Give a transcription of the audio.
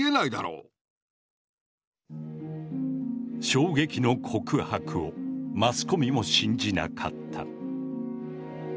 衝撃の告白をマスコミも信じなかった。